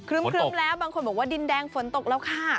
ครึ้มแล้วบางคนบอกว่าดินแดงฝนตกแล้วค่ะ